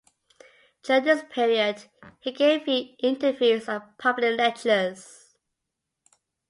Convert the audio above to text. During this period he gave few interviews and public lectures.